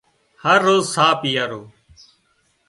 هروز ساهَه پيئارو